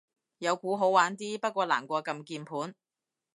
有鼓好玩啲，不過難過撳鍵盤